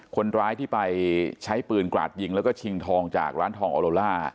คนร้ายที่ไปใช้ปืนกราดยิงแล้วก็ชิงทองจากร้านทองออโลล่า